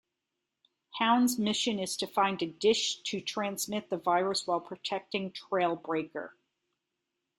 Hound's mission is to find a dish to transmit the virus while protecting Trailbreaker.